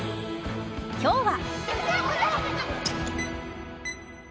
今日は。